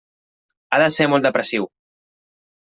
Ha de ser molt depressiu.